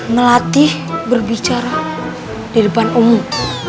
melatih berbicara di depan umum